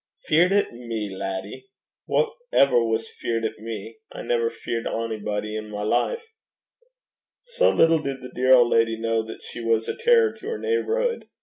'Feart at me, laddie! Wha ever was feart at me? I never feart onybody i' my life.' So little did the dear old lady know that she was a terror to her neighbourhood!